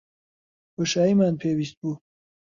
بۆشاییمان پێویست بوو.